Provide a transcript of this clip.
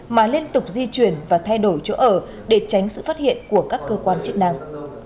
mà liên tục di chuyển và thay đổi chỗ ở để tránh sự phát hiện của các cơ quan chức năng